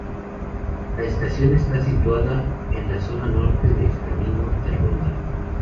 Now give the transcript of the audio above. La estación está situada en la zona norte del Camino de Ronda.